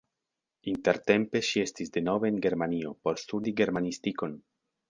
Intertempe ŝi estis denove en Germanio por studi germanistikon.